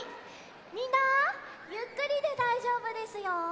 みんなゆっくりでだいじょうぶですよ。